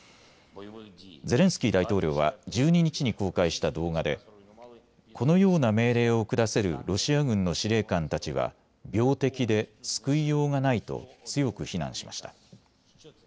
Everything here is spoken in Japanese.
ゼレンスキー大統領は１２日に公開した動画でこのような命令を下せるロシア軍の司令官たちは病的で救いようがないと強く非難しました。